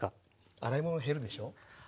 洗い物減るでしょう。